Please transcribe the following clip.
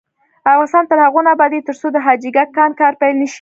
افغانستان تر هغو نه ابادیږي، ترڅو د حاجي ګک کان کار پیل نشي.